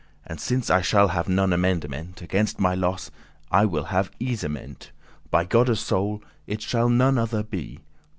And since I shall have none amendement Against my loss, I will have easement: By Godde's soul, it shall none, other be."